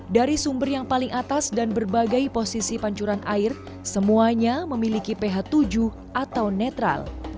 dari sumber yang paling atas dan berbagai posisi pancuran air semuanya memiliki ph tujuh atau netral